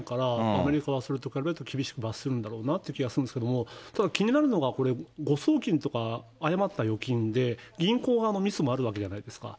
アメリカはそれからいうと厳しく罰するんだろうなという気がするんですけど、ただ気になるのが、誤送金とか誤った預金で、銀行側もミスもあるわけじゃないですか。